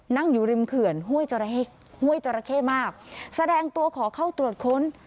นั่งอยู่ริมเขื่อนห้วยจราเข้มากแสดงตัวขอเข้าตรวจค้น